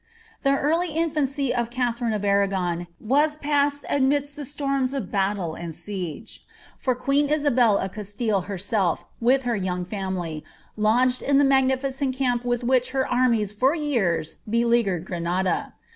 The early infancy of Katharine of Arragon was passed anudst the storms of Imttle and siege ; for queen Isabel of Oastille herself, with her young family, lodged in the magnificent camp with which her armies for years beleaguered Granada.